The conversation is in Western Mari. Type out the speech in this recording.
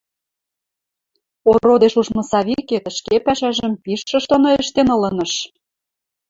Ородеш ужмы Савикет ӹшке пӓшӓжӹм пиш ыш доно ӹштен ылыныш...